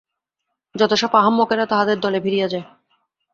যত সব আহাম্মকেরা তাহাদের দলে ভিড়িয়া যায়।